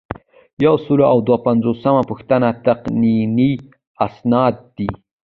یو سل او دوه پنځوسمه پوښتنه تقنیني اسناد دي.